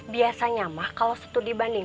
biasanya mah kalau setuh di banding